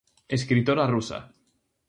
Escritora rusa.